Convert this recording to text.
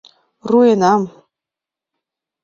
руэнам